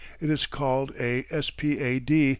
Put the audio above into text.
It is called a "S. P. A. D.